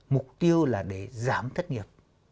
mục tiêu là để giảm thất nghiệp